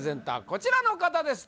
こちらの方です